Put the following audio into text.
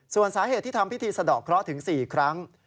ส่วนสาเหตุที่ทำพิธีสะดอกเคราะห์ถึง๔ครั้ง